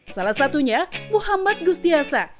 salah satunya muhammad gustiasa